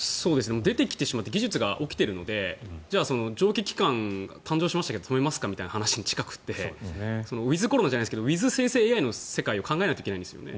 出てきてしまって技術が起きてるのでじゃあ、蒸気機関が誕生したけど止めますかという話に近くてウィズコロナじゃないですけどウィズ生成ＡＩの世界を考えないといけないですね。